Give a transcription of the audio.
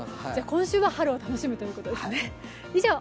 今週は春を楽しむということですね。